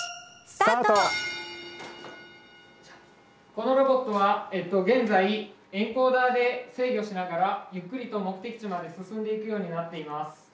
このロボットは現在エンコーダーで制御しながらゆっくりと目的地まで進んでいくようになっています。